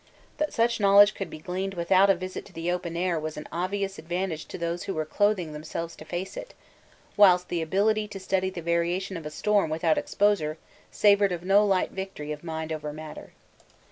That such knowledge could be gleaned without a visit to the open air was an obvious advantage to those who were clothing themselves to face it, whilst the ability to study the variation of a storm without exposure savoured of no light victory of mind over matter.